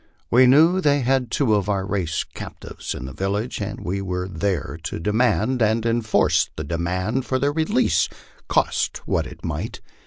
We knew they had two of our race captives in the village, and we were there to de mand and enforce the demand for their release, cost what it might.